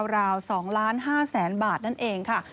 ราว๒ล้าน๕แสนบาทนั่นเองค่ะ